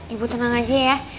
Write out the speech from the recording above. ibu tenang aja ya